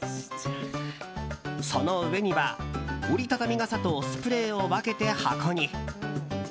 その上には、折り畳み傘とスプレーを分けて箱に。